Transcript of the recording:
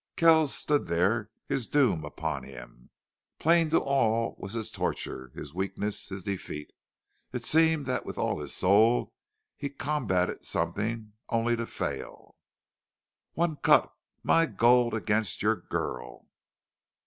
Kells stood there, his doom upon him. Plain to all was his torture, his weakness, his defeat. It seemed that with all his soul he combated something, only to fail. "ONE CUT MY GOLD AGAINST YOUR GIRL!"